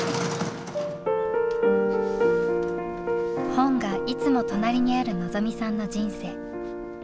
本がいつも隣にある望未さんの人生。